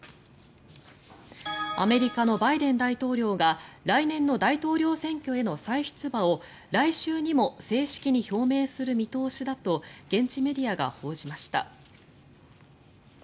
アメリカのバイデン大統領が来年の大統領選挙への再出馬を来週にも正式に表明する見通しだと現地メディアが報じました。